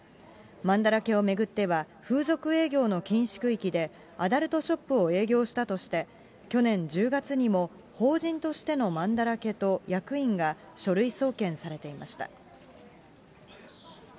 まんだらけを巡っては、風俗営業の禁止区域で、アダルトショップを営業したとして、去年１０月にも法人としてのまんだらけと役員が書類送検されていました。